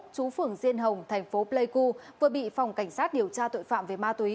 chú phường diên hồng thành phố pleiku vừa bị phòng cảnh sát điều tra tội phạm về ma túy